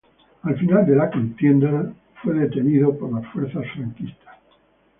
Al final de la contienda fue detenido por las fuerzas franquistas.